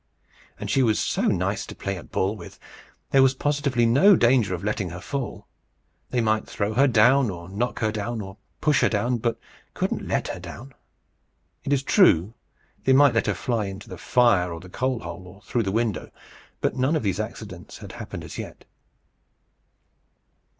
And she was so nice to play at ball with! There was positively no danger of letting her fall. They might throw her down, or knock her down, or push her down, but couldn't let her down. It is true, they might let her fly into the fire or the coal hole, or through the window; but none of these accidents had happened as yet.